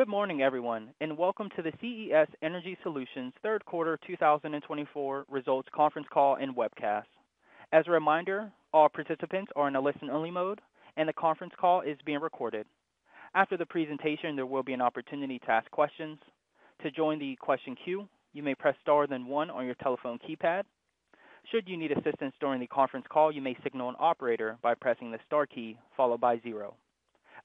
Good morning, everyone, and welcome to the CES Energy Solutions Q3 2024 results conference call and webcast. As a reminder, all participants are in a listen-only mode, and the conference call is being recorded. After the presentation, there will be an opportunity to ask questions. To join the question queue, you may press star then one on your telephone keypad. Should you need assistance during the conference call, you may signal an operator by pressing the star key followed by zero.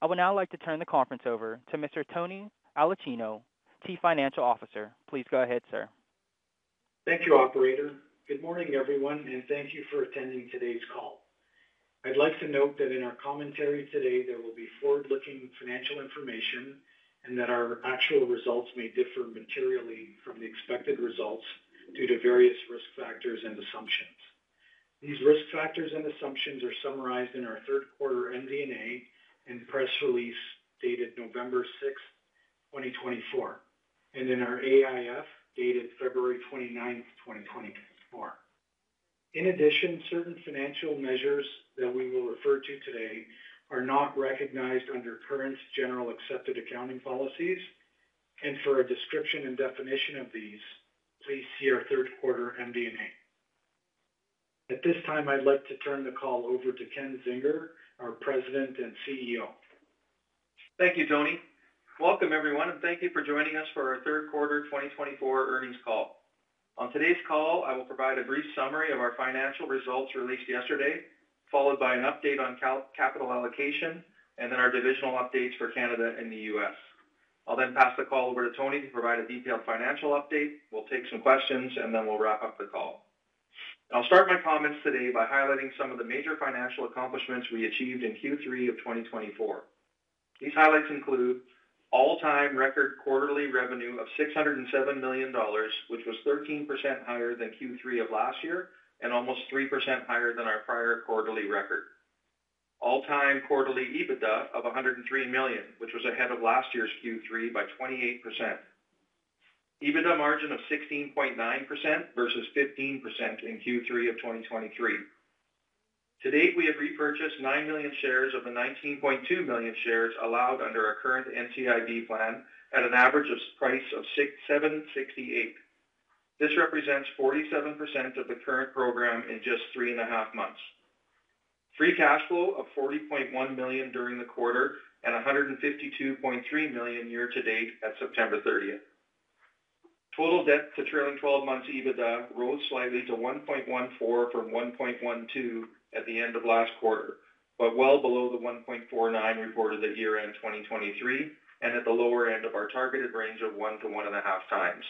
I would now like to turn the conference over to Mr. Tony Aulicino, Chief Financial Officer. Please go ahead, sir. Thank you, Operator. Good morning, everyone, and thank you for attending today's call. I'd like to note that in our commentary today, there will be forward-looking financial information and that our actual results may differ materially from the expected results due to various risk factors and assumptions. These risk factors and assumptions are summarized in our Q3 MD&A and press release dated November 6, 2024, and in our AIF dated February 29, 2024. In addition, certain financial measures that we will refer to today are not recognized under current generally accepted accounting principles, and for a description and definition of these, please see our Q3 MD&A. At this time, I'd like to turn the call over to Ken Zinger, our President and CEO. Thank you, Tony. Welcome, everyone, and thank you for joining us for our Q3 2024 earnings call. On today's call, I will provide a brief summary of our financial results released yesterday, followed by an update on capital allocation, and then our divisional updates for Canada and the U.S. I'll then pass the call over to Tony to provide a detailed financial update. We'll take some questions, and then we'll wrap up the call. I'll start my comments today by highlighting some of the major financial accomplishments we achieved in Q3 of 2024. These highlights include all-time record quarterly revenue of 607 million dollars, which was 13% higher than Q3 of last year and almost 3% higher than our prior quarterly record. All-time quarterly EBITDA of 103 million, which was ahead of last year's Q3 by 28%. EBITDA margin of 16.9% versus 15% in Q3 of 2023. To date, we have repurchased nine million shares of the 19.2 million shares allowed under our current NCIB plan at an average price of 7.68. This represents 47% of the current program in just three and a half months. Free cash flow of 40.1 million during the quarter and 152.3 million year-to-date at September 30. Total debt to trailing 12 months EBITDA rose slightly to 1.14 from 1.12 at the end of last quarter, but well below the 1.49 reported at year-end 2023 and at the lower end of our targeted range of one to one and a half times.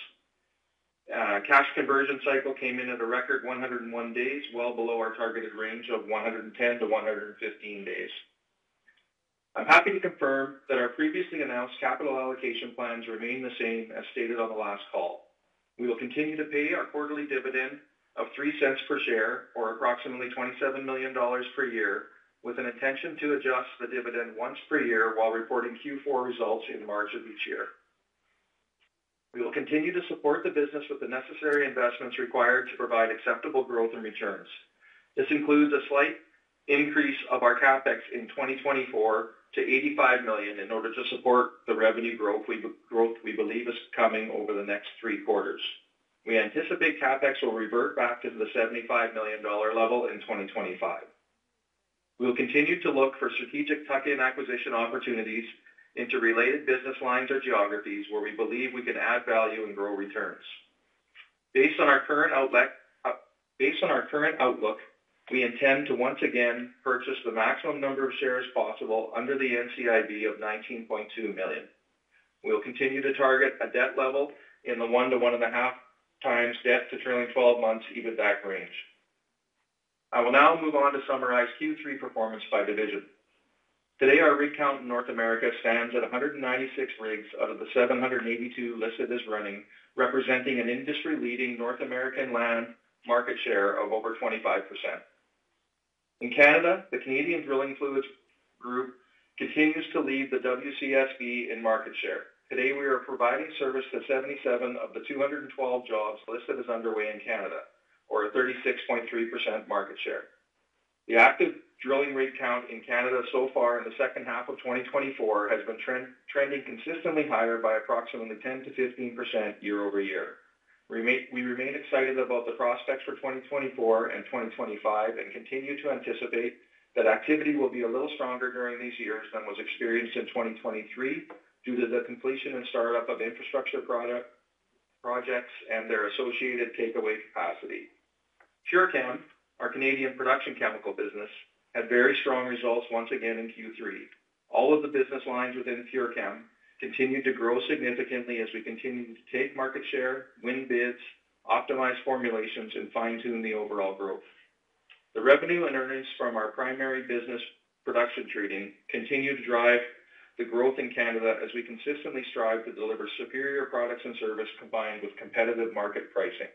Cash conversion cycle came in at a record 101 days, well below our targeted range of 110-115 days. I'm happy to confirm that our previously announced capital allocation plans remain the same as stated on the last call. We will continue to pay our quarterly dividend of 0.03 per share, or approximately 27 million dollars per year, with an intention to adjust the dividend once per year while reporting Q4 results in March of each year. We will continue to support the business with the necessary investments required to provide acceptable growth and returns. This includes a slight increase of our CapEx in 2024 to 85 million in order to support the revenue growth we believe is coming over the next three quarters. We anticipate CapEx will revert back to the 75 million dollar level in 2025. We will continue to look for strategic tuck-in acquisition opportunities into related business lines or geographies where we believe we can add value and grow returns. Based on our current outlook, we intend to once again purchase the maximum number of shares possible under the NCIB of 19.2 million. We will continue to target a debt level in the one to one and a half times debt to trailing 12 months EBITDA range. I will now move on to summarize Q3 performance by division. Today, our rig count in North America stands at 196 rigs out of the 782 listed as running, representing an industry-leading North American land market share of over 25%. In Canada, the Canadian drilling fluids group continues to lead the WCSB in market share. Today, we are providing service to 77 of the 212 jobs listed as underway in Canada, or a 36.3% market share. The active drilling rig count in Canada so far in the second half of 2024 has been trending consistently higher by approximately 10% to 15% year-over-year. We remain excited about the prospects for 2024 and 2025 and continue to anticipate that activity will be a little stronger during these years than was experienced in 2023 due to the completion and startup of infrastructure projects and their associated takeaway capacity. PureChem, our Canadian production chemical business, had very strong results once again in Q3. All of the business lines within PureChem continued to grow significantly as we continued to take market share, win bids, optimize formulations, and fine-tune the overall growth. The revenue and earnings from our primary business production treating continue to drive the growth in Canada as we consistently strive to deliver superior products and service combined with competitive market pricing.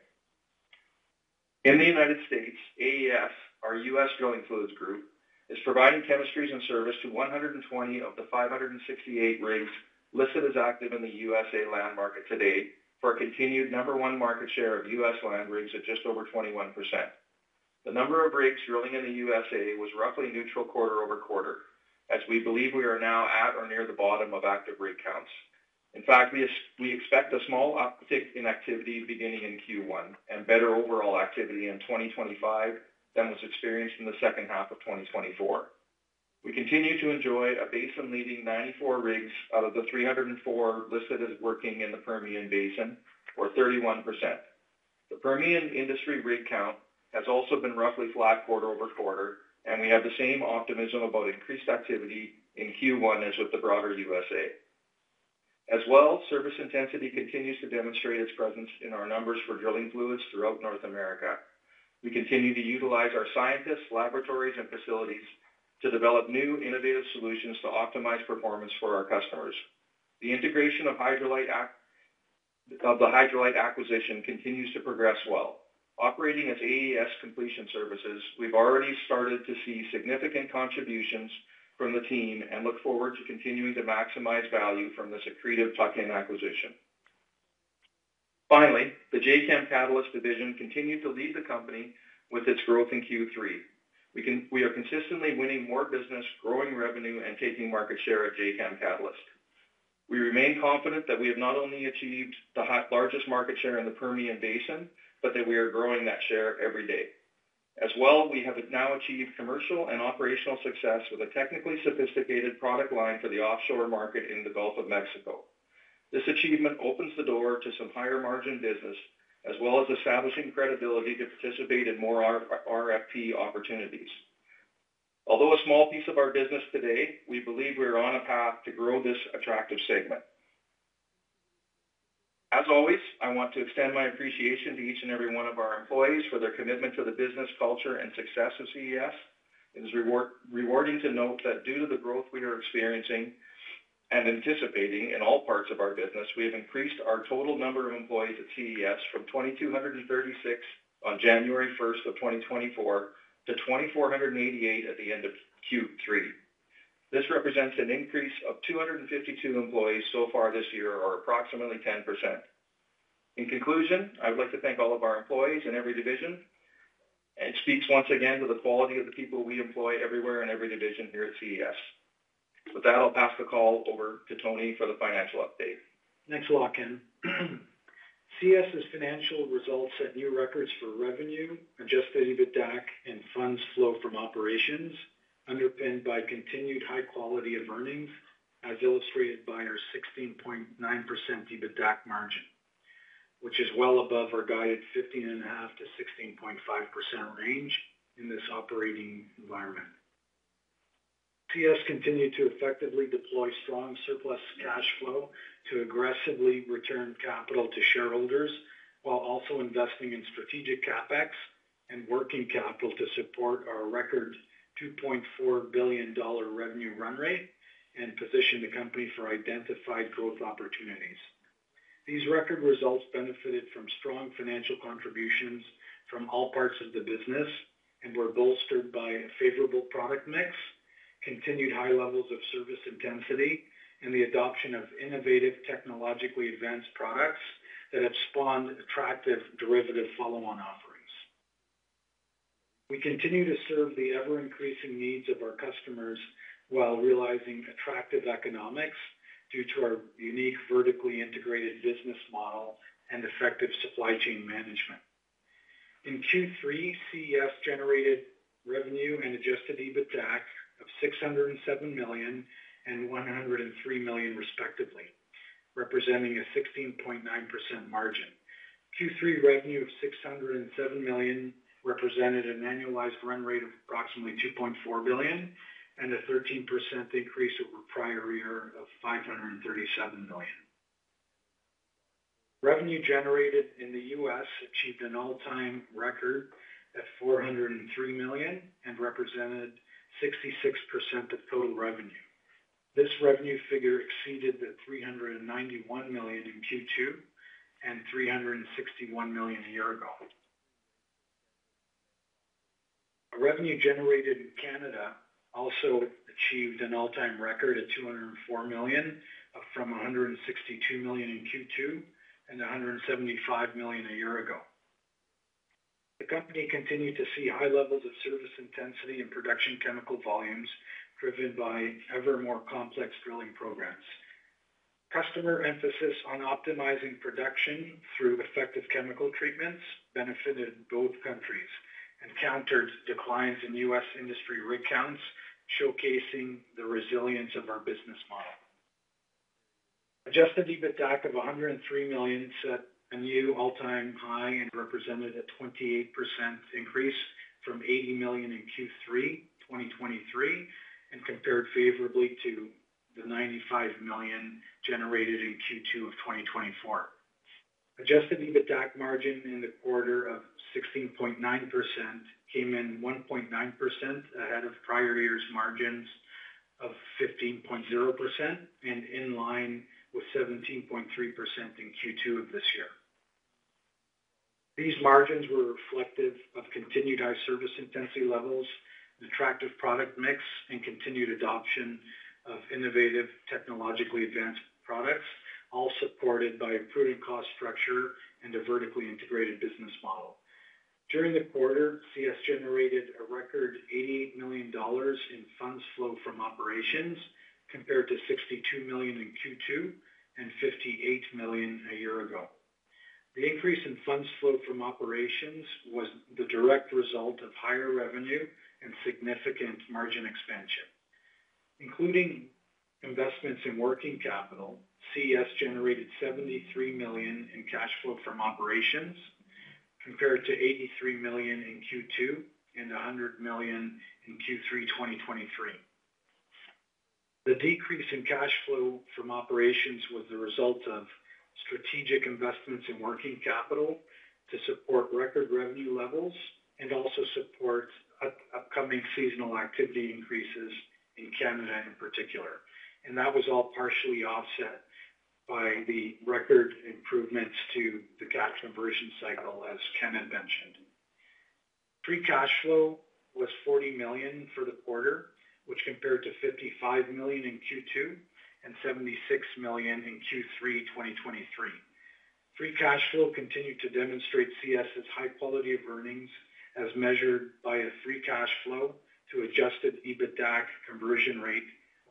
In the United States, AES, our U.S. Drilling fluids group is providing chemistries and service to 120 of the 568 rigs listed as active in the U.S. land market today for a continued number one market share of U.S. land rigs at just over 21%. The number of rigs drilling in the U.S. was roughly neutral quarter over quarter, as we believe we are now at or near the bottom of active rig counts. In fact, we expect a small uptick in activity beginning in Q1 and better overall activity in 2025 than was experienced in the second half of 2024. We continue to enjoy a basin-leading 94 rigs out of the 304 listed as working in the Permian Basin, or 31%. The Permian industry rig count has also been roughly flat quarter over quarter, and we have the same optimism about increased activity in Q1 as with the broader U.S. As well, service intensity continues to demonstrate its presence in our numbers for drilling fluids throughout North America. We continue to utilize our scientists, laboratories, and facilities to develop new innovative solutions to optimize performance for our customers. The integration of the Hydrolite acquisition continues to progress well. Operating as AES Completion Services, we've already started to see significant contributions from the team and look forward to continuing to maximize value from this accretive tuck-in acquisition. Finally, the Jacam Catalyst division continues to lead the company with its growth in Q3. We are consistently winning more business, growing revenue, and taking market share at Jacam Catalyst. We remain confident that we have not only achieved the largest market share in the Permian Basin, but that we are growing that share every day. As well, we have now achieved commercial and operational success with a technically sophisticated product line for the offshore market in the Gulf of Mexico. This achievement opens the door to some higher-margin business, as well as establishing credibility to participate in more RFP opportunities. Although a small piece of our business today, we believe we are on a path to grow this attractive segment. As always, I want to extend my appreciation to each and every one of our employees for their commitment to the business, culture, and success of CES. It is rewarding to note that due to the growth we are experiencing and anticipating in all parts of our business, we have increased our total number of employees at CES from 2,236 on January 1, 2024, to 2,488 at the end of Q3. This represents an increase of 252 employees so far this year, or approximately 10%. In conclusion, I would like to thank all of our employees in every division. It speaks once again to the quality of the people we employ everywhere in every division here at CES. With that, I'll pass the call over to Tony for the financial update. Thanks a lot, Ken. CES's financial results set new records for revenue, adjusted EBITDAC, and funds flow from operations, underpinned by continued high quality of earnings, as illustrated by our 16.9% EBITDAC margin, which is well above our guided 15.5%-16.5% range in this operating environment. CES continued to effectively deploy strong surplus cash flow to aggressively return capital to shareholders while also investing in strategic CapEx and working capital to support our record $2.4 billion revenue run rate and position the company for identified growth opportunities. These record results benefited from strong financial contributions from all parts of the business and were bolstered by a favorable product mix, continued high levels of service intensity, and the adoption of innovative technologically advanced products that have spawned attractive derivative follow-on offerings. We continue to serve the ever-increasing needs of our customers while realizing attractive economics due to our unique vertically integrated business model and effective supply chain management. In Q3, CES generated revenue and adjusted EBITDAC of $607 million and $103 million, respectively, representing a 16.9% margin. Q3 revenue of $607 million represented an annualized run rate of approximately $2.4 billion and a 13% increase over prior year of $537 million. Revenue generated in the U.S. achieved an all-time record at $403 million and represented 66% of total revenue. This revenue figure exceeded the $391 million in Q2 and $361 million a year ago. Revenue generated in Canada also achieved an all-time record at $204 million from $162 million in Q2 and $175 million a year ago. The company continued to see high levels of service intensity and production chemical volumes driven by ever more complex drilling programs. Customer emphasis on optimizing production through effective chemical treatments benefited both countries and countered declines in U.S. industry rig counts, showcasing the resilience of our business model. Adjusted EBITDAC of 103 million set a new all-time high and represented a 28% increase from 80 million in Q3 2023 and compared favorably to the 95 million generated in Q2 of 2024. Adjusted EBITDAC margin in the quarter of 16.9% came in 1.9% ahead of prior year's margins of 15.0% and in line with 17.3% in Q2 of this year. These margins were reflective of continued high service intensity levels, an attractive product mix, and continued adoption of innovative technologically advanced products, all supported by a prudent cost structure and a vertically integrated business model. During the quarter, CES generated a record 88 million dollars in funds flow from operations, compared to 62 million in Q2 and 58 million a year ago. The increase in funds flow from operations was the direct result of higher revenue and significant margin expansion. Including investments in working capital, CES generated 73 million in cash flow from operations, compared to 83 million in Q2 and 100 million in Q3 2023. The decrease in cash flow from operations was the result of strategic investments in working capital to support record revenue levels and also support upcoming seasonal activity increases in Canada in particular, and that was all partially offset by the record improvements to the cash conversion cycle, as Kenneth mentioned. Free cash flow was 40 million for the quarter, which compared to 55 million in Q2 and 76 million in Q3 2023. Free cash flow continued to demonstrate CES's high quality of earnings, as measured by a free cash flow to adjusted EBITDAC conversion rate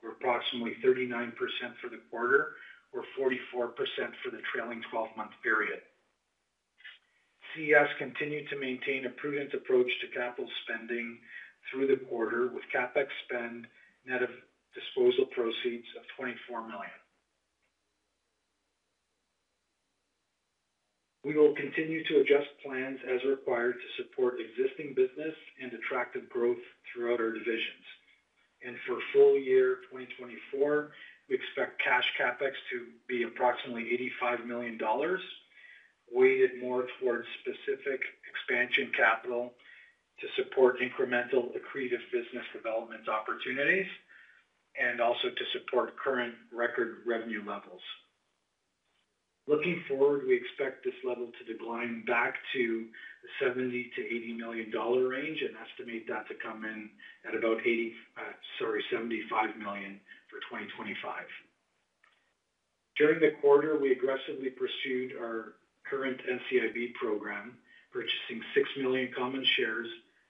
of approximately 39% for the quarter, or 44% for the trailing 12-month period. CES continued to maintain a prudent approach to capital spending through the quarter, with CapEx spend net of disposal proceeds of 24 million. We will continue to adjust plans as required to support existing business and attractive growth throughout our divisions. For full year 2024, we expect cash CapEx to be approximately 85 million dollars, weighted more towards specific expansion capital to support incremental accretive business development opportunities, and also to support current record revenue levels. Looking forward, we expect this level to decline back to the 70-80 million dollar range and estimate that to come in at about 75 million for 2025. During the quarter, we aggressively pursued our current NCIB program, purchasing 6 million common shares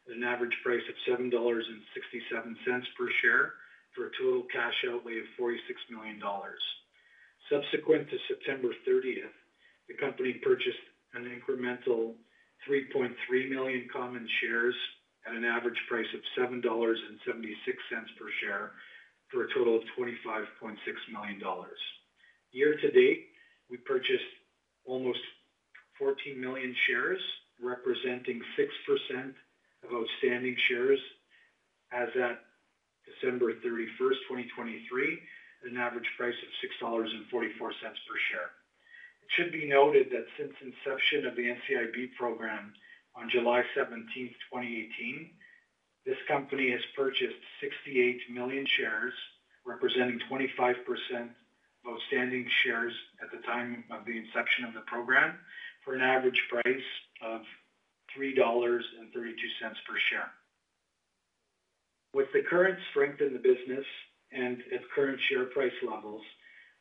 at an average price of 7.67 dollars per share for a total cash outlay of 46 million dollars. Subsequent to September 30, the company purchased an incremental 3.3 million common shares at an average price of 7.76 dollars per share for a total of 25.6 million dollars. Year to date, we purchased almost 14 million shares, representing 6% of outstanding shares as at December 31, 2023, at an average price of 6.44 dollars per share. It should be noted that since inception of the NCIB program on July 17, 2018, this company has purchased 68 million shares, representing 25% of outstanding shares at the time of the inception of the program, for an average price of 3.32 dollars per share. With the current strength in the business and its current share price levels,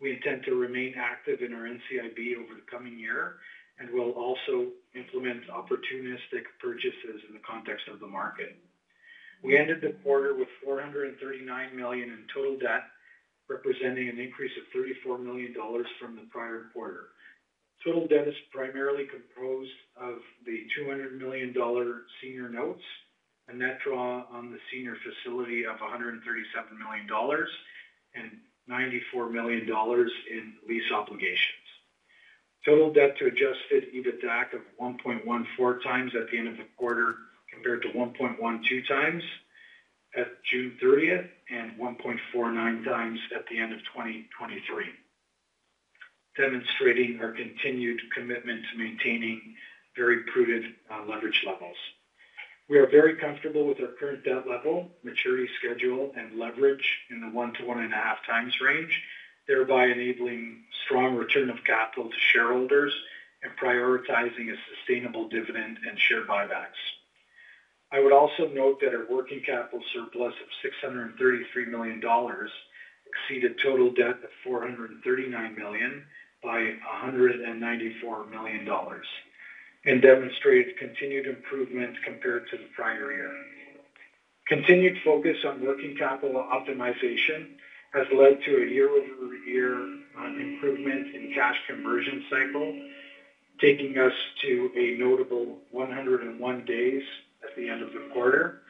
we intend to remain active in our NCIB over the coming year and will also implement opportunistic purchases in the context of the market. We ended the quarter with 439 million in total debt, representing an increase of 34 million dollars from the prior quarter. Total debt is primarily composed of the 200 million dollar senior notes and that draw on the senior facility of 137 million dollars and 94 million dollars in lease obligations. Total debt to adjusted EBITDAC of 1.14 times at the end of the quarter, compared to 1.12 times at June 30, and 1.49 times at the end of 2023, demonstrating our continued commitment to maintaining very prudent leverage levels. We are very comfortable with our current debt level, maturity schedule, and leverage in the 1 to 1.5 times range, thereby enabling strong return of capital to shareholders and prioritizing a sustainable dividend and share buybacks. I would also note that our working capital surplus of 633 million dollars exceeded total debt of 439 million by 194 million dollars and demonstrated continued improvement compared to the prior year. Continued focus on working capital optimization has led to a year-over-year improvement in cash conversion cycle, taking us to a notable 101 days at the end of the quarter,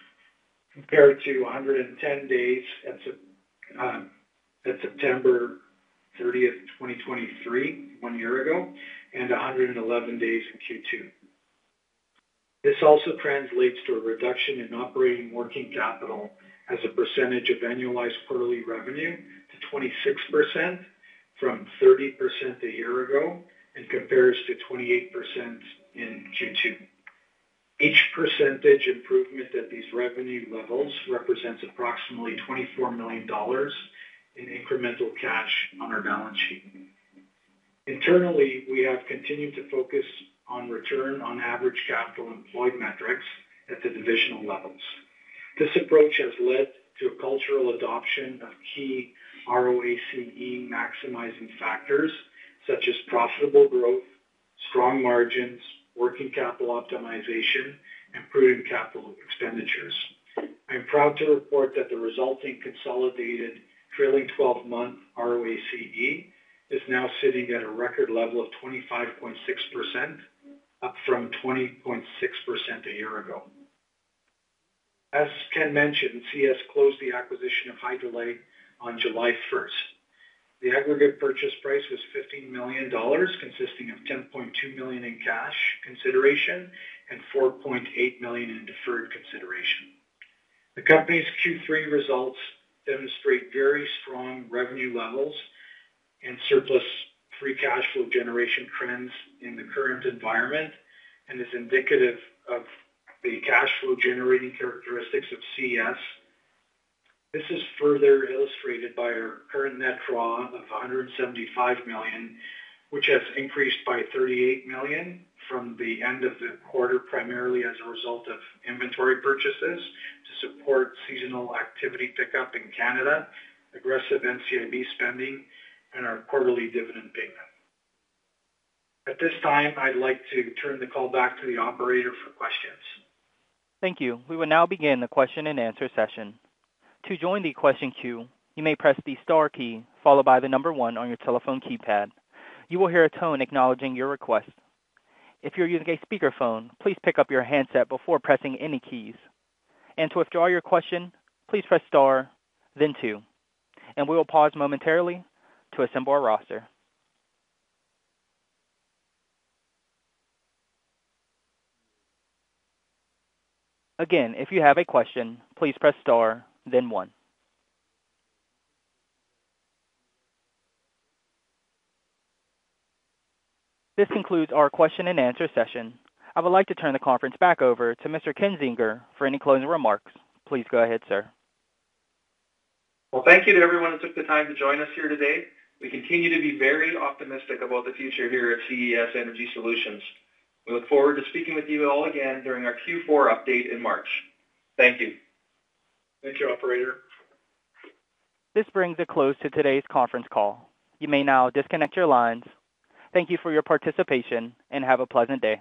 compared to 110 days at September 30, 2023, one year ago, and 111 days in Q2. This also translates to a reduction in operating working capital as a percentage of annualized quarterly revenue to 26% from 30% a year ago and compares to 28% in Q2. Each percentage improvement at these revenue levels represents approximately 24 million dollars in incremental cash on our balance sheet. Internally, we have continued to focus on return on average capital employed metrics at the divisional levels. This approach has led to a cultural adoption of key ROACE maximizing factors such as profitable growth, strong margins, working capital optimization, and prudent capital expenditures. I am proud to report that the resulting consolidated trailing 12-month ROACE is now sitting at a record level of 25.6%, up from 20.6% a year ago. As Ken mentioned, CES closed the acquisition of Hydrolite on July 1. The aggregate purchase price was 15 million dollars, consisting of 10.2 million in cash consideration and 4.8 million in deferred consideration. The company's Q3 results demonstrate very strong revenue levels and surplus free cash flow generation trends in the current environment and is indicative of the cash flow generating characteristics of CES. This is further illustrated by our current net draw of 175 million, which has increased by 38 million from the end of the quarter, primarily as a result of inventory purchases to support seasonal activity pickup in Canada, aggressive NCIB spending, and our quarterly dividend payment. At this time, I'd like to turn the call back to the operator for questions. Thank you. We will now begin the question and answer session. To join the question queue, you may press the star key followed by the number one on your telephone keypad. You will hear a tone acknowledging your request. If you're using a speakerphone, please pick up your handset before pressing any keys. And to withdraw your question, please press star, then two. And we will pause momentarily to assemble our roster. Again, if you have a question, please press star, then one. This concludes our question and answer session. I would like to turn the conference back over to Mr. Ken Zinger for any closing remarks. Please go ahead, sir. Thank you to everyone who took the time to join us here today. We continue to be very optimistic about the future here at CES Energy Solutions. We look forward to speaking with you all again during our Q4 update in March. Thank you. Thank you, operator. This brings a close to today's conference call. You may now disconnect your lines. Thank you for your participation and have a pleasant day.